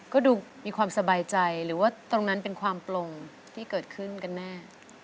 ก็ดูมีความสบายใจหรือว่าตรงนั้นเป็นความปลงที่เกิดขึ้นกันแน่